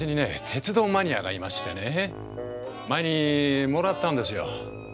鉄道マニアがいましてね前にもらったんですよ。